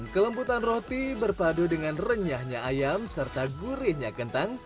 kelembutan roti berpadu dengan renyahnya ayam serta gurihnya kentang